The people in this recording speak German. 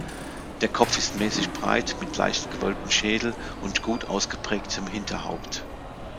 Der Kopf ist mäßig breit, mit leicht gewölbtem Schädel und gut ausgeprägtem Hinterhaupt.